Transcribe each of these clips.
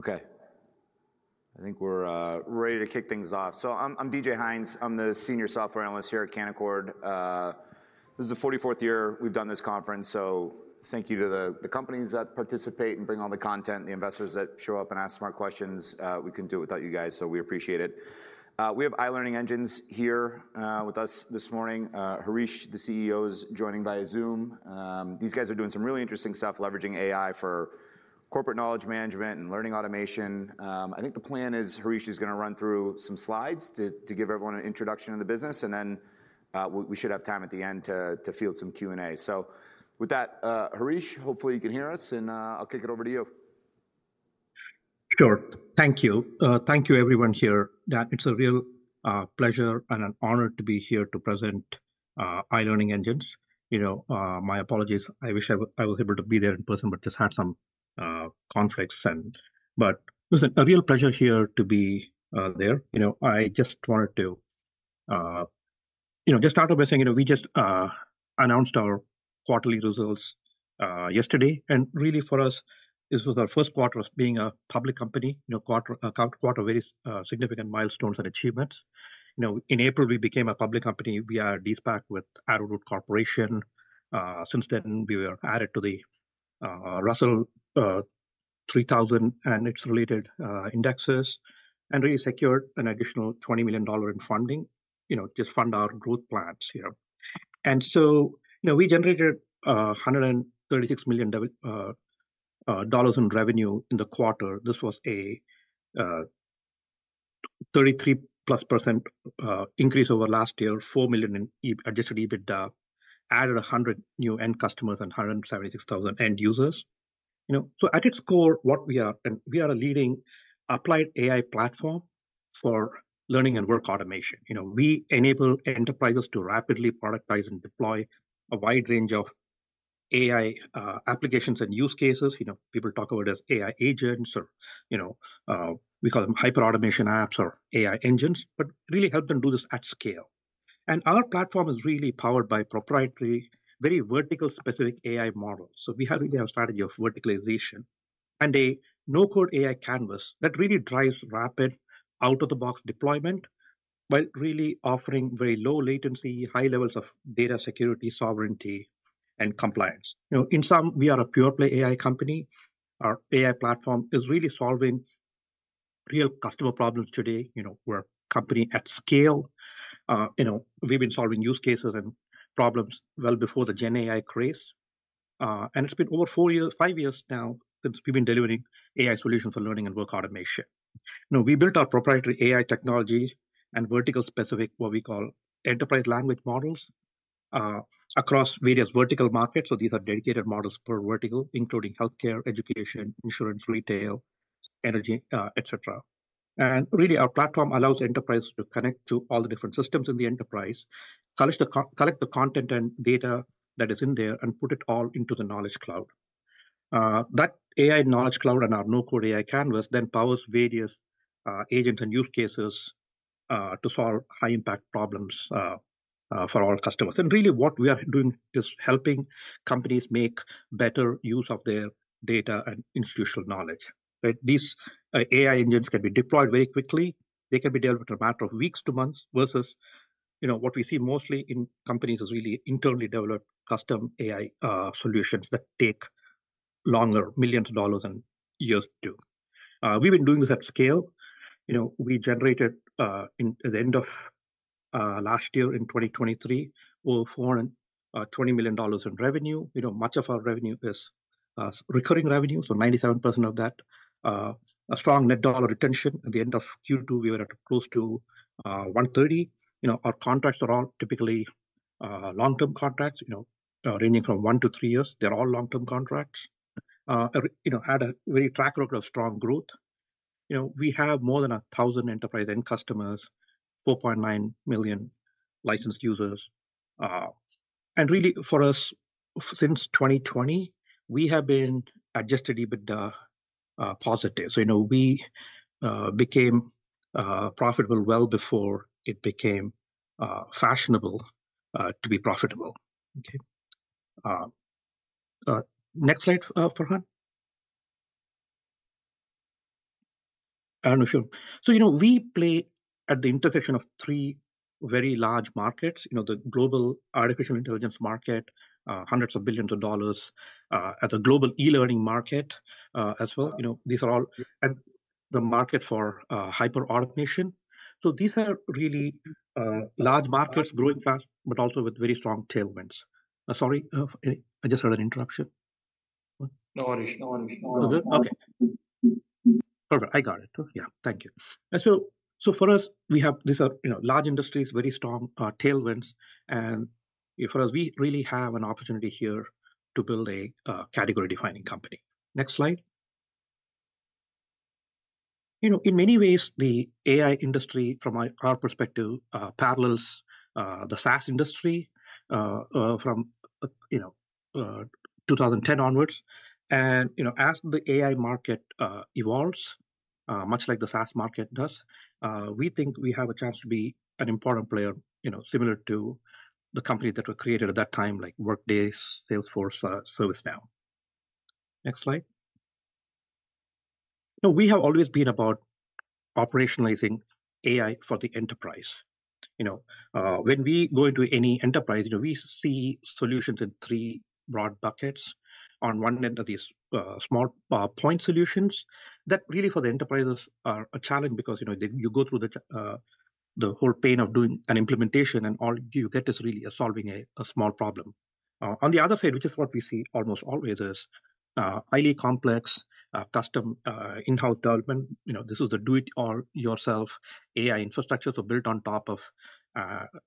Okay. I think we're ready to kick things off. So I'm DJ Hynes. I'm the senior software analyst here at Canaccord. This is the 44th year we've done this conference, so thank you to the companies that participate and bring all the content, the investors that show up and ask smart questions. We couldn't do it without you guys, so we appreciate it. We have iLearningEngines here with us this morning. Harish, the CEO, is joining via Zoom. These guys are doing some really interesting stuff, leveraging AI for corporate knowledge management and learning automation. I think the plan is Harish is gonna run through some slides to give everyone an introduction to the business, and then we should have time at the end to field some Q&A. With that, Harish, hopefully you can hear us, and I'll kick it over to you. Sure. Thank you. Thank you, everyone here. That it's a real pleasure and an honor to be here to present iLearningEngines. You know, my apologies, I wish I was able to be there in person, but just had some conflicts and... But it was a real pleasure here to be there. You know, I just wanted to, you know, just start out by saying, you know, we just announced our quarterly results yesterday, and really for us, this was our Q1 as being a public company. You know, very significant milestones and achievements. You know, in April, we became a public company. We are de-SPAC with Arrowroot Corporation. Since then, we were added to the Russell 3000 Index and its related indexes, and really secured an additional $20 million in funding, you know, just fund our growth plans here. So, you know, we generated $136 million dollars in revenue in the quarter. This was a 33%+ increase over last year, $4 million in Adjusted EBITDA. Added 100 new end customers and 176,000 end users. You know, so at its core, what we are, and we are a leading applied AI platform for learning and work automation. You know, we enable enterprises to rapidly productize and deploy a wide range of AI applications and use cases. You know, people talk about as AI agents or, you know, we call them hyperautomation apps or AI engines, but really help them do this at scale. And our platform is really powered by proprietary, very vertical-specific AI models. So we have a strategy of verticalization and a No-Code AI Canvas that really drives rapid out-of-the-box deployment, while really offering very low latency, high levels of data security, sovereignty, and compliance. You know, in sum, we are a pure-play AI company. Our AI platform is really solving real customer problems today. You know, we're a company at scale. You know, we've been solving use cases and problems well before the gen AI craze. And it's been over four years, five years now, since we've been delivering AI solutions for learning and work automation. Now, we built our proprietary AI technology and vertical-specific, what we call Enterprise Language Models, across various vertical markets. So these are dedicated models per vertical, including healthcare, education, insurance, retail, energy, etc. And really, our platform allows enterprises to connect to all the different systems in the enterprise, collect the content and data that is in there and put it all into the Knowledge Cloud. That AI Knowledge Cloud and our No-Code AI Canvas then powers various agents and use cases to solve high-impact problems for our customers. And really, what we are doing is helping companies make better use of their data and institutional knowledge, right? These AI engines can be deployed very quickly. They can be dealt with in a matter of weeks to months, versus, you know, what we see mostly in companies is really internally developed custom AI solutions that take longer, millions of dollars, and years to do. We've been doing this at scale. You know, we generated, in the end of, last year, in 2023, over $420 million in revenue. You know, much of our revenue is recurring revenue, so 97% of that. A strong Net Dollar Retention. At the end of Q2, we were at close to 130. You know, our contracts are all typically long-term contracts, you know, ranging from 1 to 3 years. They're all long-term contracts. You know, had a very track record of strong growth. You know, we have more than 1,000 enterprise end customers, 4.9 million licensed users. And really, for us, since 2020, we have been adjusted EBITDA positive. So, you know, we became profitable well before it became fashionable to be profitable. Okay? Next slide, Farhan. And sure. So, you know, we play at the intersection of three very large markets. You know, the global artificial intelligence market, $hundreds of billions, at the global e-learning market, as well. You know, these are all- and the market for hyper-automation. So these are really large markets growing fast, but also with very strong tailwinds. Sorry, I just had an interruption. No worries, no worries. Okay. Perfect, I got it. Yeah, thank you. And so, so for us, we have. These are, you know, large industries, very strong tailwinds, and for us, we really have an opportunity here to build a category-defining company. Next slide. You know, in many ways, the AI industry, from our perspective, parallels the SaaS industry from, you know, 2010 onwards. And, you know, as the AI market evolves much like the SaaS market does. We think we have a chance to be an important player, you know, similar to the company that were created at that time, like Workday, Salesforce, ServiceNow. Next slide. So we have always been about operationalizing AI for the enterprise. You know, when we go into any enterprise, you know, we see solutions in three broad buckets. On one end of these small point solutions that really for the enterprises are a challenge because, you know, they go through the whole pain of doing an implementation, and all you get is really solving a small problem. On the other side, which is what we see almost always, is highly complex custom in-house development. You know, this is a do-it-all yourself AI infrastructure, so built on top of,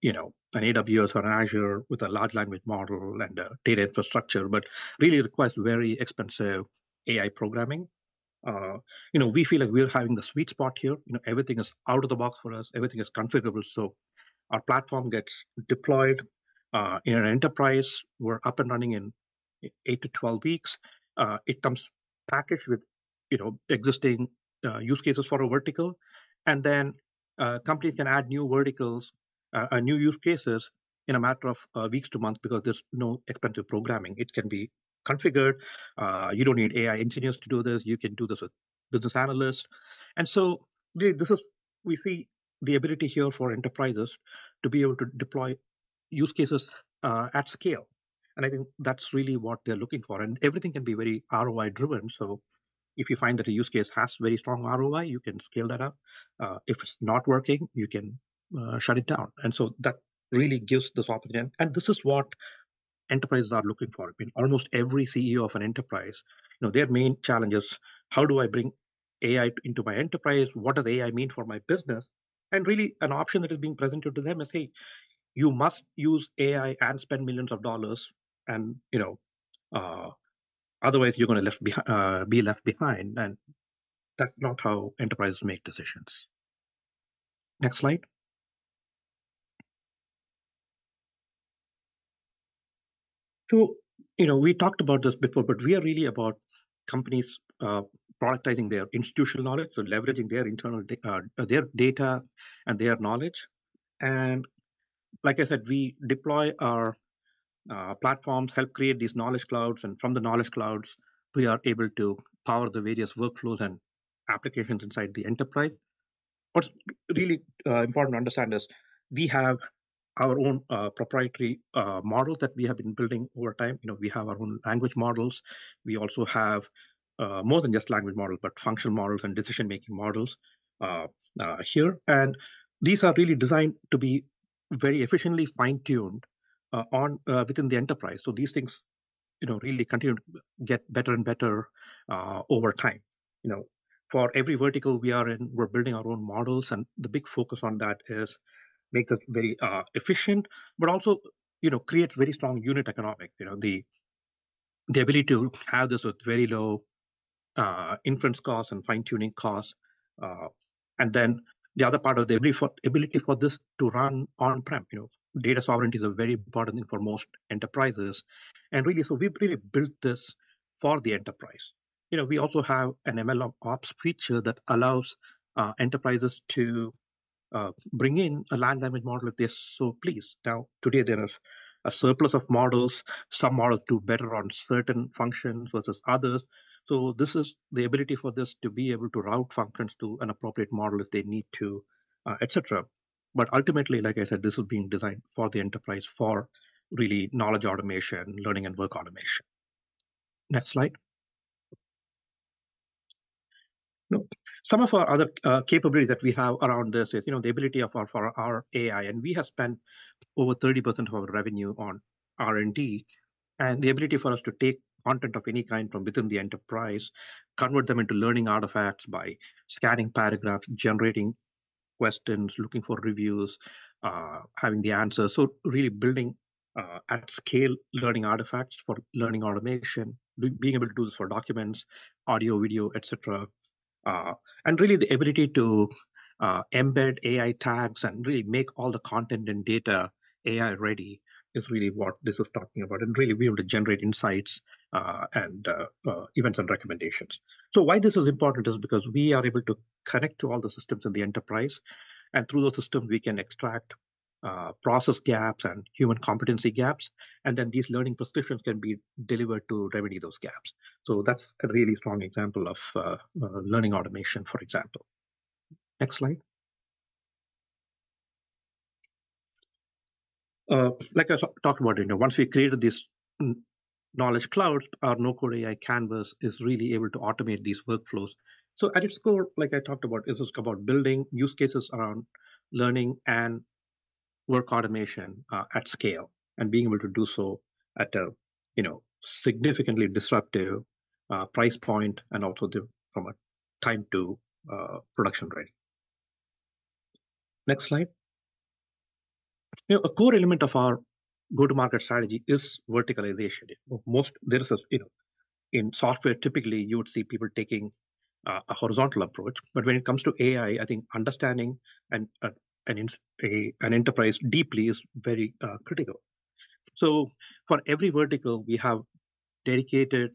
you know, an AWS or an Azure with a large language model and a data infrastructure, but really requires very expensive AI programming. You know, we feel like we are having the sweet spot here. You know, everything is out of the box for us, everything is configurable, so our platform gets deployed in an enterprise, we're up and running in 8-12 weeks. It comes packaged with, you know, existing use cases for a vertical. And then, companies can add new verticals and new use cases in a matter of weeks to months because there's no expensive programming. It can be configured. You don't need AI engineers to do this, you can do this with business analysts. And so we see the ability here for enterprises to be able to deploy use cases at scale, and I think that's really what they're looking for. And everything can be very ROI-driven, so if you find that a use case has very strong ROI, you can scale that up. If it's not working, you can shut it down. And so that really gives this opportunity. And this is what enterprises are looking for. I mean, almost every CEO of an enterprise, you know, their main challenge is: How do I bring AI into my enterprise? What does AI mean for my business? And really, an option that is being presented to them is, "Hey, you must use AI and spend millions of dollars and, you know, otherwise, you're gonna be left behind." And that's not how enterprises make decisions. Next slide. So, you know, we talked about this before, but we are really about companies productizing their institutional knowledge, so leveraging their internal data and their knowledge. And like I said, we deploy our platforms, help create these Knowledge Clouds, and from the Knowledge Clouds, we are able to power the various workflows and applications inside the enterprise. What's really important to understand is we have our own proprietary models that we have been building over time. You know, we have our own language models. We also have more than just language models, but functional models and decision-making models here. And these are really designed to be very efficiently fine-tuned within the enterprise. So these things, you know, really continue to get better and better over time. You know, for every vertical we are in, we're building our own models, and the big focus on that is make us very efficient, but also, you know, create very strong unit economics. You know, the ability to have this with very low inference costs and fine-tuning costs. And then the other part of the ability for, ability for this to run on-prem, you know, data sovereignty is a very important thing for most enterprises. And really, so we really built this for the enterprise. You know, we also have an MLOps feature that allows enterprises to bring in a large language model like this. So please, now, today there is a surplus of models, some models do better on certain functions versus others. So this is the ability for this to be able to route functions to an appropriate model if they need to, et cetera. But ultimately, like I said, this was being designed for the enterprise, for really knowledge automation, learning, and work automation. Next slide. Now, some of our other capabilities that we have around this is, you know, the ability for our AI, and we have spent over 30% of our revenue on R&D. And the ability for us to take content of any kind from within the enterprise, convert them into learning artifacts by scanning paragraphs, generating questions, looking for reviews, having the answers. So really building at scale, learning artifacts for learning automation, being able to do this for documents, audio, video, et cetera. And really, the ability to embed AI tags and really make all the content and data AI-ready is really what this is talking about, and really be able to generate insights and even some recommendations. So why this is important is because we are able to connect to all the systems in the enterprise, and through those systems, we can extract, process gaps and human competency gaps, and then these learning prescriptions can be delivered to remedy those gaps. So that's a really strong example of, learning automation, for example. Next slide. Like I talked about, you know, once we created this Knowledge Clouds, our No-Code AI Canvas is really able to automate these workflows. So at its core, like I talked about, this is about building use cases around learning and work automation, at scale, and being able to do so at a, you know, significantly disruptive, price point and also from a time to, production rate. Next slide. You know, a core element of our go-to-market strategy is verticalization. Most... There is a, you know, in software, typically, you would see people taking a horizontal approach. But when it comes to AI, I think understanding an enterprise deeply is very critical. So for every vertical, we have dedicated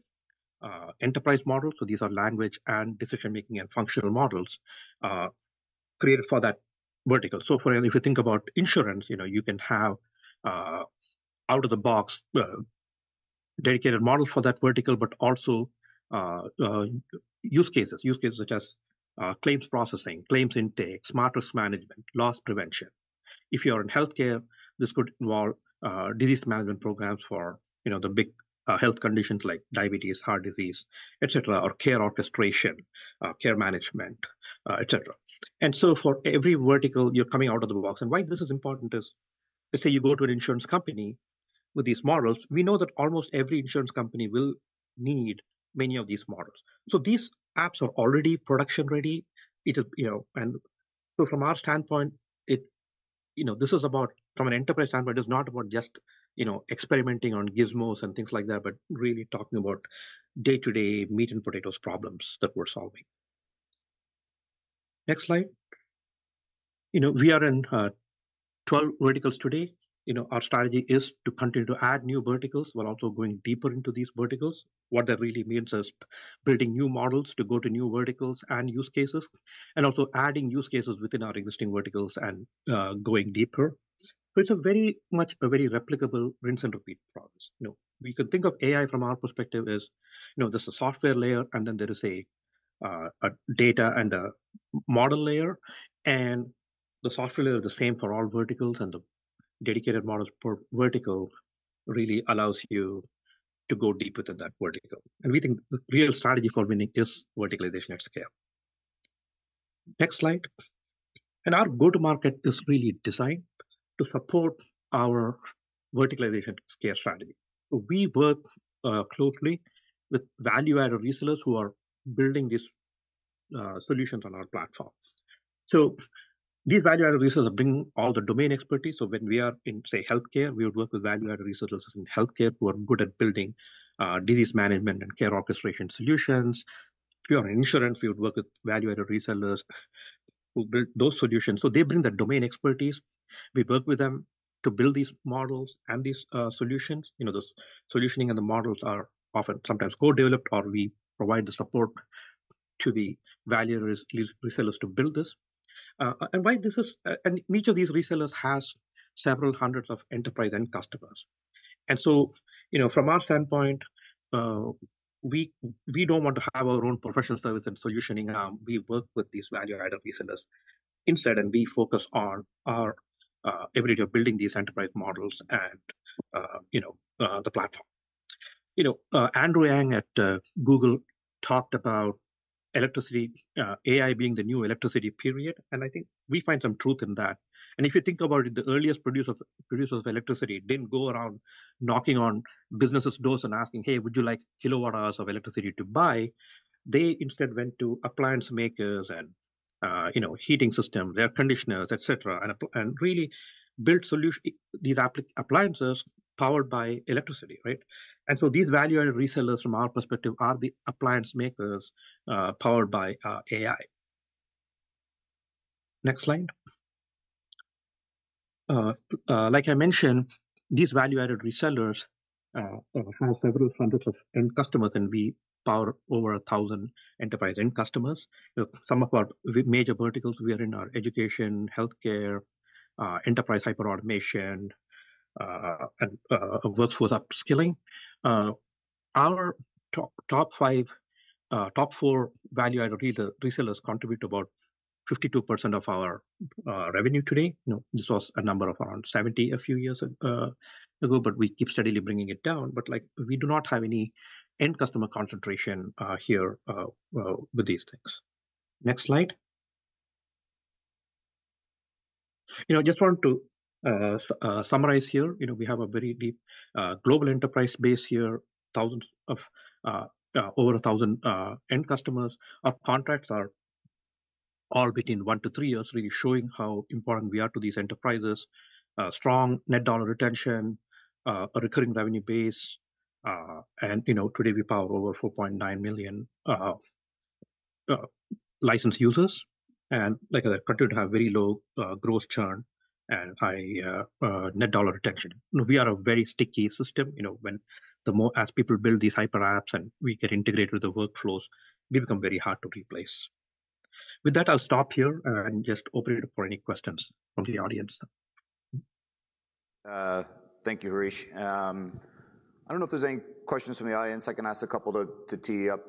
enterprise models. So these are language and decision-making and functional models created for that vertical. So for if you think about insurance, you know, you can have out-of-the-box dedicated model for that vertical, but also use cases. Use cases such as claims processing, claims intake, smart risk management, loss prevention. If you are in healthcare, this could involve disease management programs for, you know, the big health conditions like diabetes, heart disease, et cetera, or care orchestration, care management, et cetera. And so for every vertical, you're coming out of the box. Why this is important is, let's say you go to an insurance company with these models, we know that almost every insurance company will need many of these models. So these apps are already production-ready. It is, you know, and so from our standpoint, it, you know, this is about... From an enterprise standpoint, it's not about just, you know, experimenting on gizmos and things like that, but really talking about day-to-day meat and potatoes problems that we're solving. Next slide. You know, we are in 12 verticals today. You know, our strategy is to continue to add new verticals, while also going deeper into these verticals. What that really means is building new models to go to new verticals and use cases, and also adding use cases within our existing verticals and going deeper. So it's a very much a very replicable rinse and repeat process. You know, we can think of AI from our perspective as, you know, there's a software layer, and then there is a data and a model layer, and the software layer is the same for all verticals, and the dedicated models per vertical really allows you to go deep within that vertical. We think the real strategy for winning is verticalization at scale. Next slide. Our go-to-market is really designed to support our verticalization scale strategy. So we work closely with value-added resellers who are building these solutions on our platforms. So these value-added resellers are bringing all the domain expertise. So when we are in, say, healthcare, we would work with value-added resellers in healthcare who are good at building disease management and care orchestration solutions. If you are in insurance, we would work with value-added resellers who build those solutions. So they bring the domain expertise. We work with them to build these models and these, solutions. You know, those solutioning and the models are often sometimes co-developed, or we provide the support to the value-added resellers to build this. And why this is, and each of these resellers has several hundreds of enterprise end customers. And so, you know, from our standpoint, we, we don't want to have our own professional service and solutioning arm. We work with these value-added resellers instead, and we focus on our, ability of building these enterprise models and, you know, the platform. You know, Andrew Ng at, Google talked about electricity, AI being the new electricity, period. And I think we find some truth in that. And if you think about it, the earliest producers of electricity didn't go around knocking on businesses' doors and asking: "Hey, would you like kilowatt hours of electricity to buy?" They instead went to appliance makers and, you know, heating system, air conditioners, et cetera, and really built solutions, these appliances powered by electricity, right? And so these value-added resellers, from our perspective, are the appliance makers, powered by AI. Next slide. Like I mentioned, these value-added resellers have several hundreds of end customers, and we power over 1,000 enterprise end customers. Some of our major verticals we are in are education, healthcare, enterprise hyperautomation, and workforce upskilling. Our top four value-added resellers contribute about 52% of our revenue today. You know, this was a number of around 70 a few years ago, but we keep steadily bringing it down. But, like, we do not have any end customer concentration here with these things. Next slide. You know, just wanted to summarize here. You know, we have a very deep global enterprise base here, thousands of over a thousand end customers. Our contracts are all between 1-3 years, really showing how important we are to these enterprises. Strong net dollar retention, a recurring revenue base, and, you know, today, we power over 4.9 million licensed users, and like I said, continue to have very low growth churn and high net dollar retention. We are a very sticky system, you know, when the more. As people build these hyperapps and we get integrated with the workflows, we become very hard to replace. With that, I'll stop here, and just open it up for any questions from the audience. Thank you, Harish. I don't know if there's any questions from the audience. I can ask a couple to tee you up.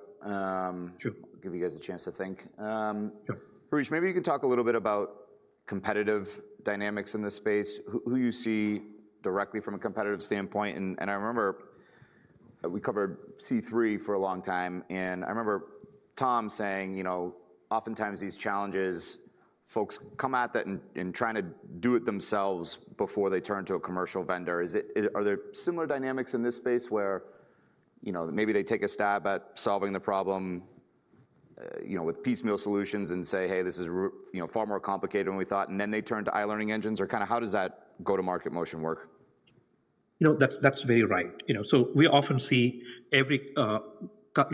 Sure. Give you guys a chance to think. Sure. Harish, maybe you can talk a little bit about competitive dynamics in this space, who you see directly from a competitive standpoint. And I remember, we covered C3 for a long time, and I remember Tom saying, you know, oftentimes these challenges, folks come at that and trying to do it themselves before they turn to a commercial vendor. Are there similar dynamics in this space where, you know, maybe they take a stab at solving the problem, you know, with piecemeal solutions and say: "Hey, this is really, you know, far more complicated than we thought," and then they turn to iLearningEngines? Or kinda how does that go-to-market motion work? You know, that's, that's very right. You know, so we often see every enterprise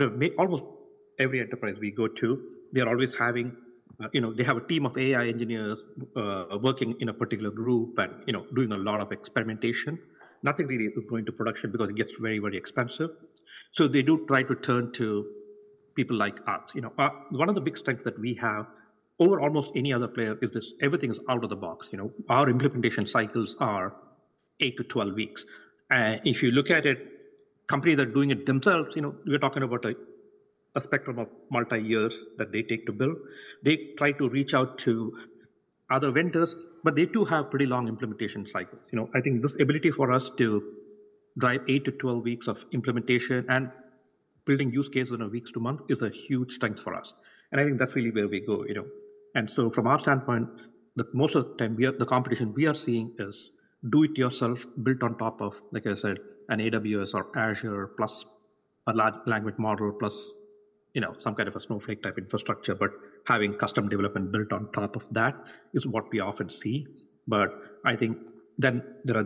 we go to, they are always having, you know, they have a team of AI engineers, working in a particular group and, you know, doing a lot of experimentation. Nothing really going to production because it gets very, very expensive. So they do try to turn to people like us. You know, one of the big strengths that we have over almost any other player is this, everything is out of the box. You know, our implementation cycles are 8-12 weeks. If you look at it, companies that are doing it themselves, you know, we're talking about a spectrum of multi years that they take to build. They try to reach out to other vendors, but they too have pretty long implementation cycles. You know, I think this ability for us to drive 8-12 weeks of implementation and building use case in a weeks to month is a huge strength for us, and I think that's really where we go, you know? So from our standpoint, most of the time, the competition we are seeing is do-it-yourself, built on top of, like I said, an AWS or Azure, plus a large language model, plus, you know, some kind of a Snowflake-type infrastructure. But having custom development built on top of that is what we often see. But yeah, I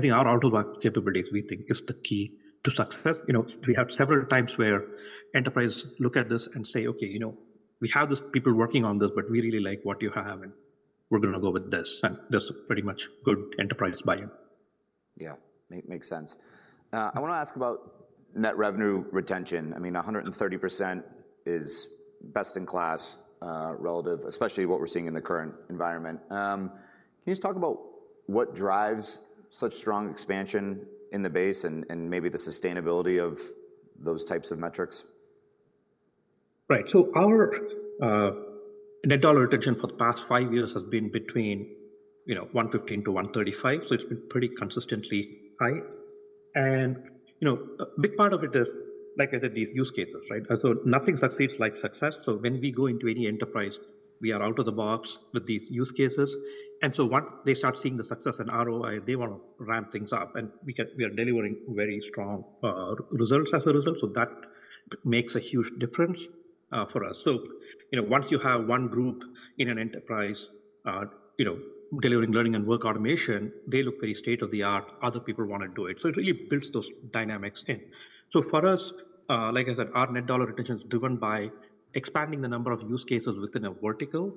think our out-of-the-box capabilities, we think, is the key to success. You know, we have several times where enterprise look at this and say, "Okay, you know, we have these people working on this, but we really like what you have, and we're going to go with this." And that's a pretty much good enterprise buy-in. Yeah, makes sense. I want to ask about net revenue retention. I mean, 130% is best in class, relative, especially what we're seeing in the current environment. Can you just talk about what drives such strong expansion in the base and maybe the sustainability of those types of metrics? Right. So our net dollar retention for the past five years has been between, you know, 115%-135%, so it's been pretty consistently high. And, you know, a big part of it is, like I said, these use cases, right? And so nothing succeeds like success. So when we go into any enterprise, we are out of the box with these use cases, and so once they start seeing the success and ROI, they want to ramp things up, and we can-- we are delivering very strong results as a result. So that makes a huge difference for us. So, you know, once you have one group in an enterprise, you know, delivering learning and work automation, they look very state-of-the-art, other people want to do it. So it really builds those dynamics in. So for us, like I said, our Net Dollar Retention is driven by expanding the number of use cases within a vertical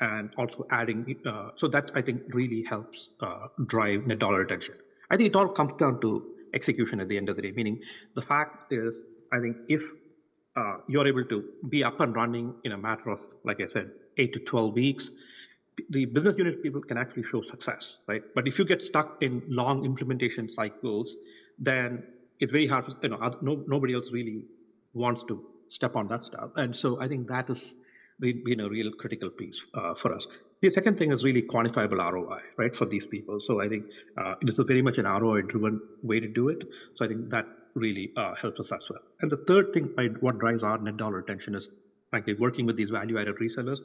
and also adding... So that, I think, really helps drive Net Dollar Retention. I think it all comes down to execution at the end of the day, meaning the fact is, I think if you're able to be up and running in a matter of, like I said, 8-12 weeks, the business unit people can actually show success, right? But if you get stuck in long implementation cycles, then it's very hard to... You know, nobody else really wants to step on that stuff, and so I think that has been a real critical piece for us. The second thing is really quantifiable ROI, right, for these people. So I think this is very much an ROI-driven way to do it, so I think that really helps us as well. And the third thing, right, what drives our Net Dollar Retention is, frankly, working with these value-added resellers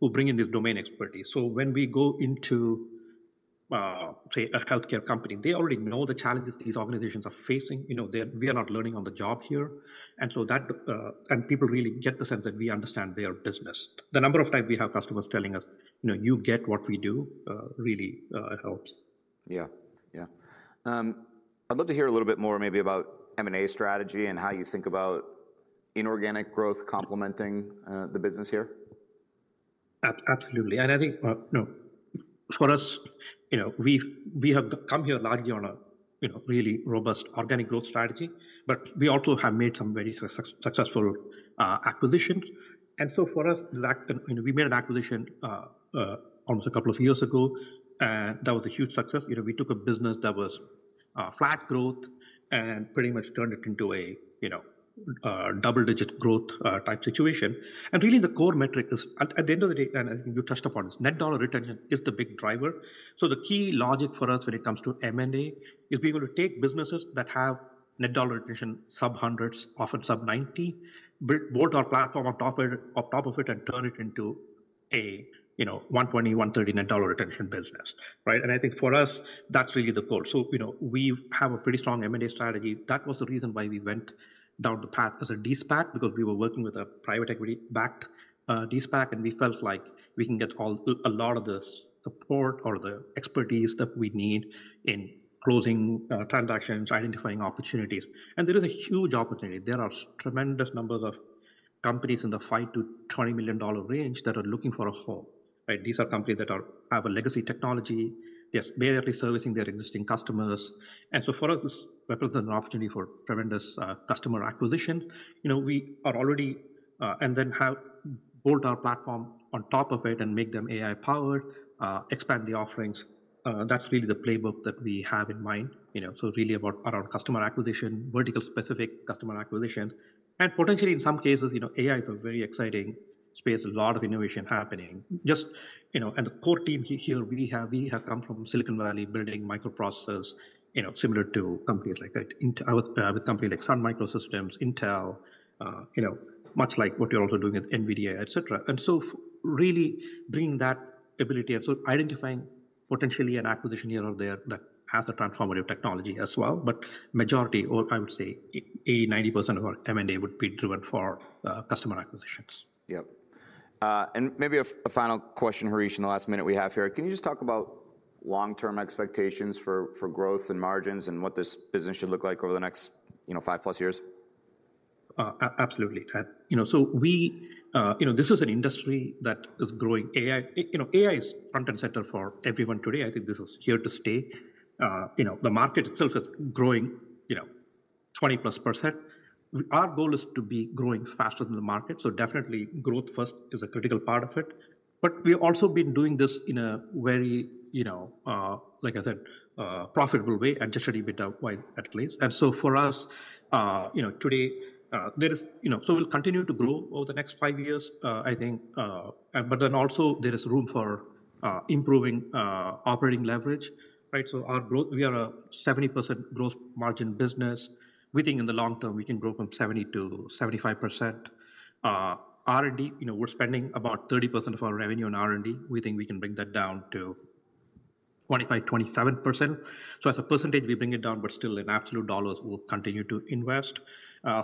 who bring in this domain expertise. So when we go into, say, a healthcare company, they already know the challenges these organizations are facing. You know, we are not learning on the job here, and so that. And people really get the sense that we understand their business. The number of times we have customers telling us, "You know, you get what we do," really helps. Yeah. Yeah. I'd love to hear a little bit more maybe about M&A strategy and how you think about inorganic growth complementing the business here. Absolutely. And I think, you know, for us, you know, we have come here largely on a, you know, really robust organic growth strategy, but we also have made some very successful acquisitions. And so for us, that. And, you know, we made an acquisition almost a couple of years ago, and that was a huge success. You know, we took a business that was flat growth and pretty much turned it into a, you know, double-digit growth type situation. And really, the core metric is at the end of the day, and as you touched upon, Net Dollar Retention is the big driver. So the key logic for us when it comes to M&A is being able to take businesses that have Net Dollar Retention sub 100s, often sub 90, build both our platform on top of it, on top of it, and turn it into a, you know, 120, 130 Net Dollar Retention business, right? And I think for us, that's really the goal. So, you know, we have a pretty strong M&A strategy. That was the reason why we went down the path as a De-SPAC, because we were working with a private equity-backed De-SPAC, and we felt like we can get a lot of the support or the expertise that we need in closing transactions, identifying opportunities. And there is a huge opportunity. There are tremendous numbers of companies in the $5-$20 million range that are looking for a home, right? These are companies that have a legacy technology. They're barely servicing their existing customers. And so for us, this represents an opportunity for tremendous customer acquisition. You know, we are already... And then have built our platform on top of it and make them AI-powered, expand the offerings. That's really the playbook that we have in mind. You know, so it's really about around customer acquisition, vertical-specific customer acquisition, and potentially in some cases, you know, AI is a very exciting space, a lot of innovation happening. Just, you know, and the core team here, we have, we have come from Silicon Valley, building microprocessors, you know, similar to companies like that, with company like Sun Microsystems, Intel, you know, much like what you're also doing with NVIDIA, et cetera. And so really bringing that ability and so identifying potentially an acquisition here or there that has a transformative technology as well. But majority, or I would say, 80%-90% of our M&A would be driven for customer acquisitions. Yep. And maybe a final question, Harish, in the last minute we have here. Can you just talk about long-term expectations for growth and margins and what this business should look like over the next, you know, five plus years? Absolutely. You know, so we, you know, this is an industry that is growing. AI, you know, AI is front and center for everyone today. I think this is here to stay. You know, the market itself is growing, you know, 20%+. Our goal is to be growing faster than the market, so definitely growth first is a critical part of it. But we've also been doing this in a very, you know, like I said, profitable way and just a little bit of while at least. And so for us, you know, today, there is, you know... So we'll continue to grow over the next five years, I think... But then also there is room for, improving, operating leverage, right? So our growth, we are a 70% gross margin business. We think in the long term, we can grow from 70%-75%. R&D, you know, we're spending about 30% of our revenue on R&D. We think we can bring that down to 25%-27%. So as a percentage, we bring it down, but still in absolute dollars, we'll continue to invest.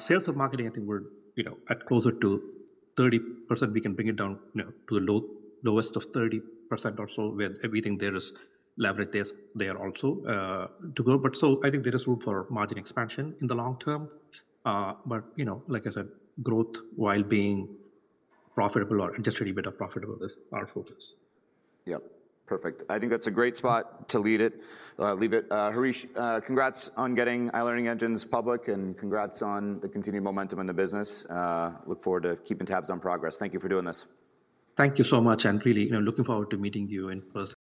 Sales and marketing, I think we're, you know, at closer to 30%. We can bring it down, you know, to a low of 30% or so, where we think there is leverage there also, to grow. But so I think there is room for margin expansion in the long term. But, you know, like I said, growth while being profitable or just a little bit profitable is our focus. Yep, perfect. I think that's a great spot to lead it, leave it. Harish, congrats on getting iLearningEngines public, and congrats on the continued momentum in the business. Look forward to keeping tabs on progress. Thank you for doing this. Thank you so much, and really, you know, looking forward to meeting you in person.